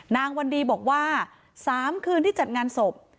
นางวันดีบอกว่า๓คืนที่จัดงานศพ